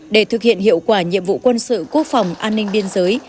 để thực hiện hiệu quả nhiệm vụ quân sự quốc phòng an ninh biên giới